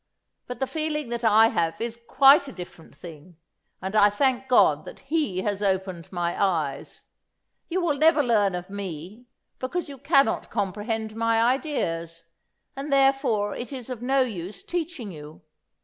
But the feeling that I have is quite a different thing, and I thank God that He has opened my eyes. You will never learn of me, because you cannot comprehend my ideas, and therefore it is of no use teaching you.